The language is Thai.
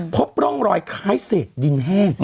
พบร่องรอยคล้ายเศษดินแห้ง